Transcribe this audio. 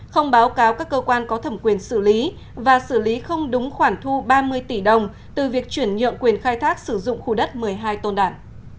không báo cáo các cơ quan có thẩm quyền xử lý và xử lý không đúng khoản thu ba mươi tỷ đồng từ việc chuyển nhượng quyền khai thác sử dụng khu đất một mươi hai tôn đản